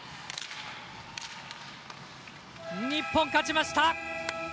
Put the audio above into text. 日本、勝ちました！